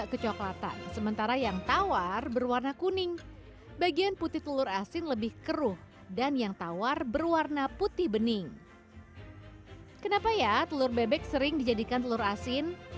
kenapa ya telur bebek sering dijadikan telur asin